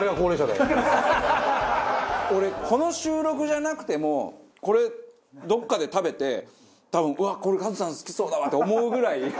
俺この収録じゃなくてもこれどこかで食べて多分うわっこれカズさん好きそうだわって思うぐらい。